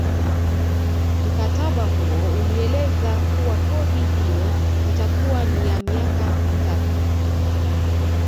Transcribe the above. Mkataba huo ulieleza kuwa kodi hiyo itakuwa ni ya miaka mitatu